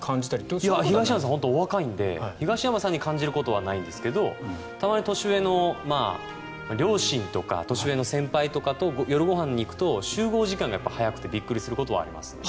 いや、東山さんはお若いので東山さんに感じることはないんですけどたまに年上の両親とか年上の先輩とかと夜ご飯に行くと集合時間が早くてびっくりすることありますね。